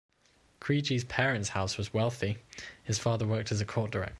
Criegee's parents' house was wealthy, his father worked as a court director.